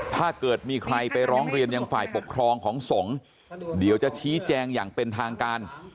ถ้าเกิดมีใครไปร้องเรียนยังฝ่ายปกครองของสงฆ์เดี๋ยวจะชี้แจงอย่างเป็นทางการ